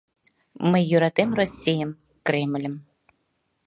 Мый йӧратем Российым, Кремльым